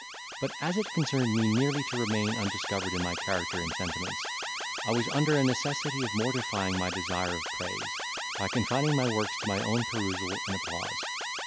But as it concerned me nearly to remain undiscovered in my character and sentiments, I was under a necessity of mortifying my desire of praise, by confining my works to my own perusal and applause.